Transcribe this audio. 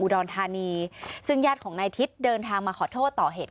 รธานีซึ่งญาติของนายทิศเดินทางมาขอโทษต่อเหตุ